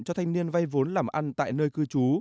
cho thanh niên vay vốn làm ăn tại nơi cư trú